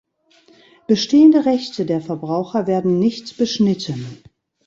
Bestehende Rechte der Verbraucher werden nicht beschnitten.